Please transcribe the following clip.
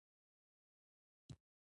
خو د تودې منډۍ انجام یې ولید.